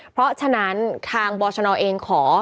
เพราะฉะนั้นทางบชนเองขอ